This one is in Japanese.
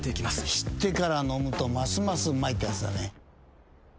知ってから飲むとますますうまいってやつだね。